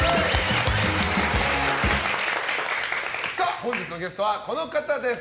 本日のゲストはこの方です。